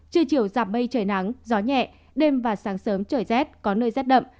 trưa chiều giảm mây trời nắng gió nhẹ đêm và sáng sớm trời rét có nơi rét đậm